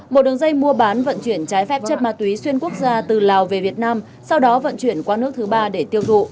một đường dây mua bán vận chuyển trái phép chất ma túy xuyên quốc gia từ lào về việt nam sau đó vận chuyển qua nước thứ ba để tiêu thụ